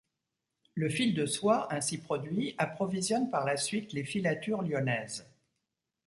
Le fil de soie, ainsi produit, approvisionne par la suite les filatures lyonnaises.